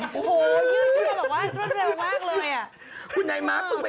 เล็กมากเลย